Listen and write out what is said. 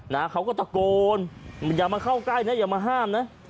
นะเขาก็ตะโกนอย่ามาเข้าใกล้นะอย่ามาห้ามนะ